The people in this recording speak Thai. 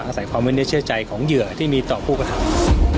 อาศัยความไว้เนื้อเชื่อใจของเหยื่อที่มีต่อผู้กระทำ